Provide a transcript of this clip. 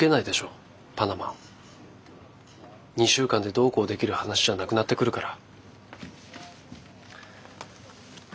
２週間でどうこうできる話じゃなくなってくるから。